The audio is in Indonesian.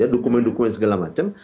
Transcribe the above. dokumen dokumen segala macam